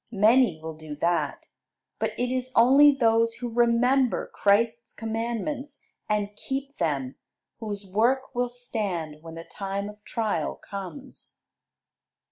Many will do that; but it is only those who remember Christ's commandments and keep them, whose work will stand when the time of trial comes.